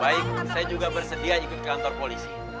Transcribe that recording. baik saya juga bersedia ikut kantor polisi